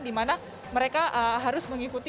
di mana mereka harus mengikuti